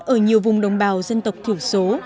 ở nhiều vùng đồng bào dân tộc thiểu số